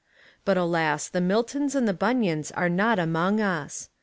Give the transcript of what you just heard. But alas, the Mlltons and the Bun yans are not among us.